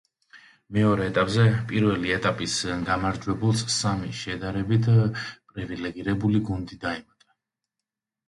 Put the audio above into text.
მეორე ეტაპზე პირველი ეტაპის გამარჯვებულს სამი შედარებით პრივილიგირებული გუნდი დაემატა.